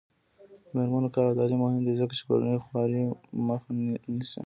د میرمنو کار او تعلیم مهم دی ځکه چې کورنۍ خوارۍ مخه نیسي.